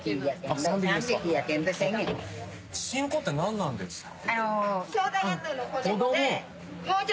シンコって何なんですか？